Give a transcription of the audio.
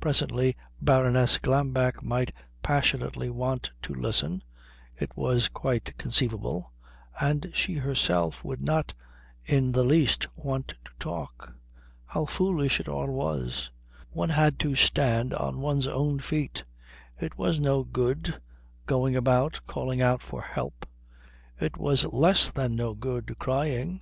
Presently Baroness Glambeck might passionately want to listen it was quite conceivable and she herself would not in the least want to talk. How foolish it all was! One had to stand on one's own feet. It was no good going about calling out for help. It was less than no good crying.